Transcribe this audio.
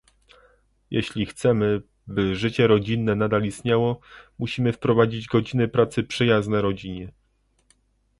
Jeśli chcemy, by życie rodzinne nadal istniało, musimy wprowadzić godziny pracy przyjazne rodzinie